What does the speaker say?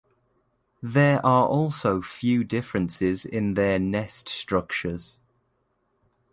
There are also few differences in their nest structures.